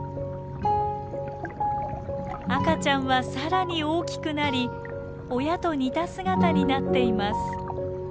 赤ちゃんはさらに大きくなり親と似た姿になっています。